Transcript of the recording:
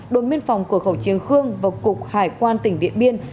đồn biên phòng của khẩu triền khương và cục hải quan tỉnh điện biên